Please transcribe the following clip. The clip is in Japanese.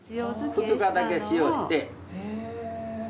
２日だけ塩して。